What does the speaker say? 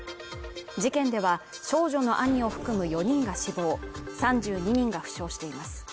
事件では、少女の兄を含む４人が死亡、３２人が負傷しています。